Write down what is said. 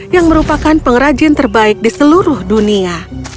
yang merupakan pengrajin terbaik di seluruh dunia